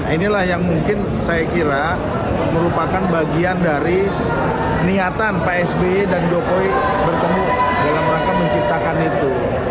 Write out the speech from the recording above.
inilah yang mungkin saya kira merupakan bagian dari niatan pak sby dan jokowi bertemu dalam rangka menciptakan itu